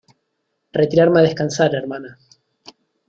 retirarme a descansar, hermana.